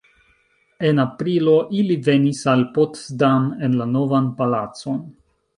En aprilo ili venis al Potsdam en la Novan palacon.